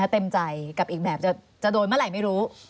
เต็มใจกับอีกแบบจะโดนเมื่อไหร่ไม่รู้